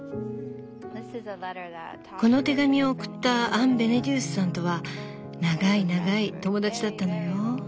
この手紙を送ったアン・ベネデュースさんとは長い長い友だちだったのよ。